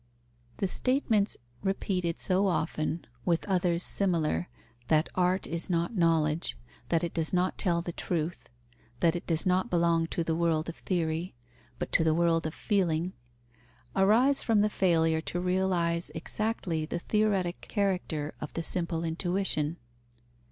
_ The statements repeated so often, with others similar, that art is not knowledge, that it does not tell the truth, that it does not belong to the world of theory, but to the world of feeling, arise from the failure to realize exactly the theoretic character of the simple intuition.